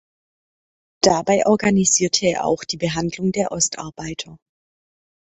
Dabei organisierte er auch die Behandlung der Ostarbeiter.